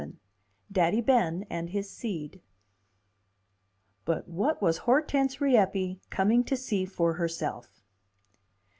XI: Daddy Ben and His Seed But what was Hortense Rieppe coming to see for herself?